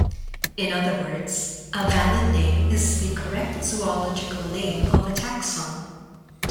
In other words: a valid name is the correct zoological name of a taxon.